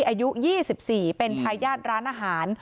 หรือมิกกี้อายุยี่สิบสี่เป็นทายาทร้านอาหาร